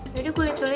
jadi kulit dulu ya